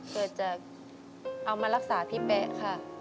เกิดจากเอามารักษาพี่แป๊ะค่ะ